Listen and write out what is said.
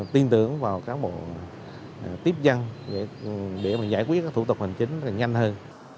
tiên tưởng vào các bộ tiếp dân để giải quyết các thủ tục hình chính nhanh hơn